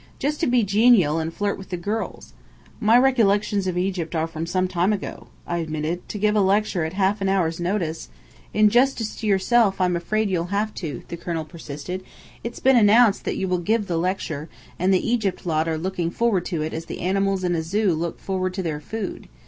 Just to be genial, and flirt with the girls. "My recollections of Egypt are from some time ago," I admitted. "To give a lecture at half an hour's notice. " "In justice to yourself I'm afraid you'll have to," the colonel persisted. "It's been announced that you will give the lecture, and the Egypt lot are looking forward to it as the animals in a zoo look forward to their food.